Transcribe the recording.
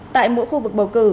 tại mỗi khu vực bầu cử